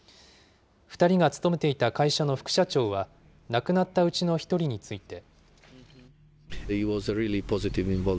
２人が勤めていた会社の副社長は、亡くなったうちの１人について。